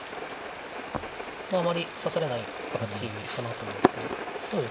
まああまり指されない形かなと思うんで。